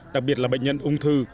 đặc biệt là bệnh nhân ung thư